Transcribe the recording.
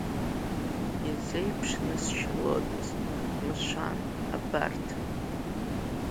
Изеиԥшнысшьалодаз, мшәан, абарҭ?!